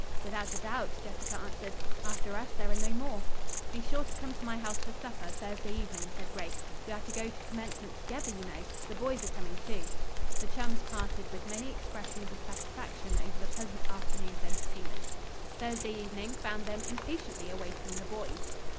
"Without a doubt," Jessica answered. "After us there are no more." "Be sure to come to my house for supper Thursday evening," said Grace. "We are to go to commencement together, you know. The boys are coming, too." The chums parted with many expressions of satisfaction over the pleasant afternoon's entertainment. Thursday evening found them impatiently awaiting the boys.